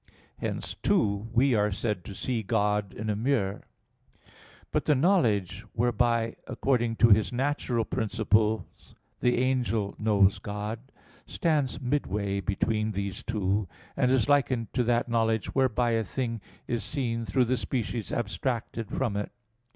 Hence, too, we are said to see God in a mirror. But the knowledge, whereby according to his natural principles the angel knows God, stands midway between these two; and is likened to that knowledge whereby a thing is seen through the species abstracted from it.